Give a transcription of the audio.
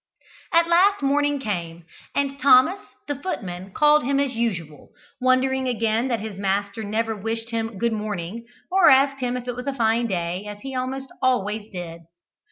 At last morning came, and Thomas, the footman, called him as usual, wondering again that his young master never wished him "good morning," or asked him if it was a fine day, as he almost always did.